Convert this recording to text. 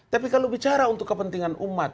tapi kalau bicara untuk kepentingan umat